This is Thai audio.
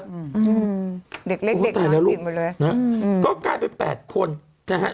เล็กเด็กน้องเตอร์ติดหมดเลยโอ้โหแต่ละลูกก็กลายไป๘คนนะฮะ